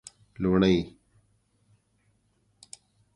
لوڼی